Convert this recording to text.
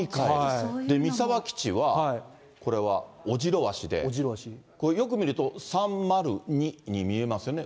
三沢基地は、これはオジロワシで、よく見ると３０２に見ますよね。